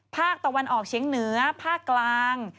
ภาคตะวันออกเฉียงเหนือภาคกลาง